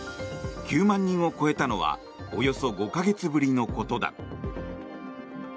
９万人を超えたのはおよそ５か月ぶりのことだ。